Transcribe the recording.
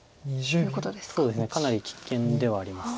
そうですねかなり危険ではあります。